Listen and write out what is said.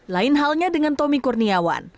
lain halnya dengan tommy kurniawan